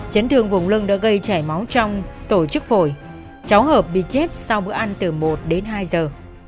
chấn thương vùng lưng đã gây chảy máu trong tổ chức phổi cháu hợp bị chết sau bữa ăn từ một đến hai giờ